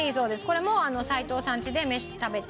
これも齋藤さんちで食べている。